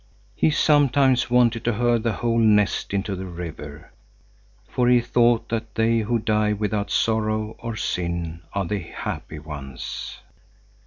He sometimes wanted to hurl the whole nest into the river, for he thought that they who die without sorrow or sin are the happy ones.